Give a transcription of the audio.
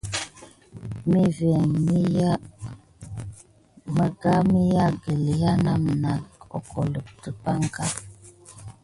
Məvel miha nayakela name nat de kole dipay ɓa.